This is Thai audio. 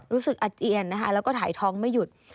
อาเจียนนะคะแล้วก็ถ่ายท้องไม่หยุด